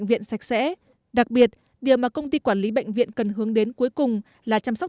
viện sạch sẽ đặc biệt điều mà công ty quản lý bệnh viện cần hướng đến cuối cùng là chăm sóc